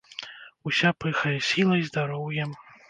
Уся пыхае сілай, здароўем.